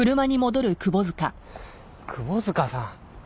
窪塚さん。